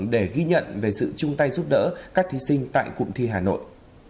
để ghi nhận về sự chung tay giúp đỡ các thí sinh tại cụm thi hà nội